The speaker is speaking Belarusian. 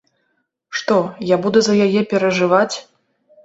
Што, я буду за яе перажываць?